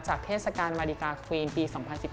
เทศกาลมาริกาควีนปี๒๐๑๘